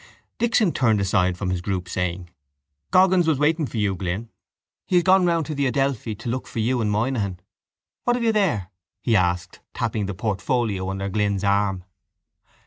Dixon turned aside from his group, saying: —Goggins was waiting for you, Glynn. He has gone round to the Adelphi to look for you and Moynihan. What have you there? he asked, tapping the portfolio under Glynn's arm.